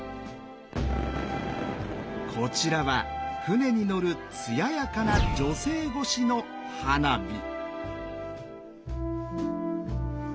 こちらは船に乗る艶やかな女性越しの花火。